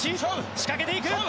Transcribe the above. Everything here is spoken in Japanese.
仕掛けていく！